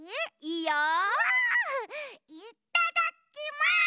いっただきます！